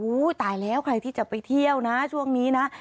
ตายแล้วใครที่จะไปเที่ยวนะช่วงนี้นะ